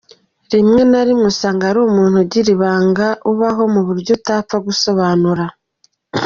Rimwe na rimwe usanga ari umuntu ugira ibanga, ubaho mu buryo utapfa gusobanura.